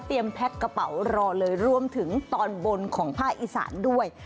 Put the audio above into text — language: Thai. แพ็คกระเป๋ารอเลยรวมถึงตอนบนของภาคอีสานด้วย